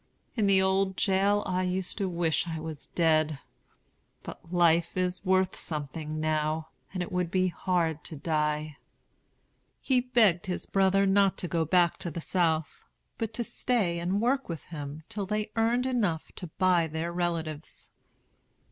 In the old jail, I used to wish I was dead. But life is worth something now, and it would be hard to die." He begged his brother not to go back to the South, but to stay and work with him till they earned enough to buy their relatives.